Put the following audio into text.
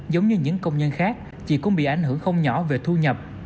giống như những công nhân khác chị cũng bị ảnh hưởng không nhỏ về thu nhập